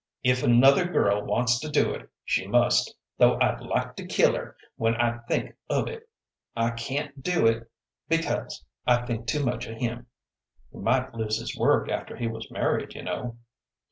If another girl wants to do it, she must, though I'd like to kill her when I think of it. I can't do it, because I think too much of him." "He might lose his work after he was married, you know."